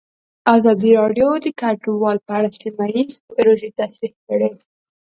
ازادي راډیو د کډوال په اړه سیمه ییزې پروژې تشریح کړې.